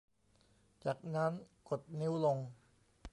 จากนั้นกดนิ้วลง